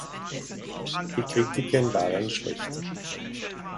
Die Kritiken waren schlecht.